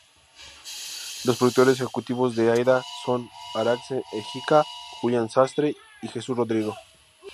Los productores ejecutivos de "Aída" son Arantxa Écija, Julián Sastre y Jesús Rodrigo.